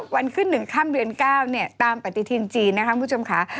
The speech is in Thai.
วันขึ้น๑ค่ำเดือน๙ตามปฏิทินจีนนะคะคุณผู้ชมค่ะ